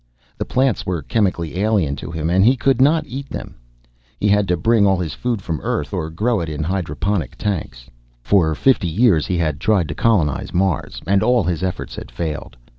The plants were chemically alien to him and he could not eat them; he had to bring all his food from Earth or grow it in hydroponic tanks. For fifty years he had tried to colonize Mars and all his efforts had failed.